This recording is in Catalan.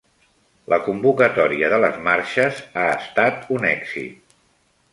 La convocatòria de les marxes ha estat un èxit